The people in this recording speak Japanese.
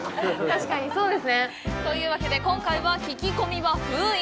確かに、そうですね。というわけで、今回は聞き込みは封印！